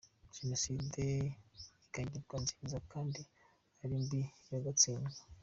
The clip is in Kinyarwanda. Jenoside ikagirwa nziza kandi ari mbi yo gatsindwa.